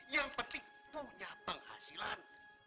yang penting punya penghasilan